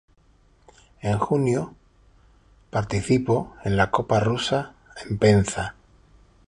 En junio, participó en la Copa Rusa en Penza.